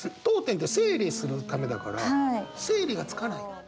読点って整理するためだから整理がつかない。